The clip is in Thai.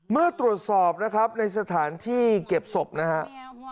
เมื่อตรวจสอบนะครับในสถานที่เก็บศพนะครับ